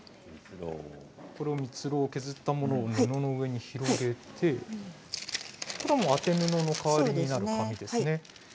蜜ろうを削ったものを布の上にそして当て布の代わりになる布ですね。